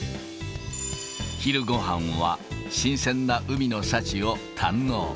昼ごはんは、新鮮な海の幸を堪能。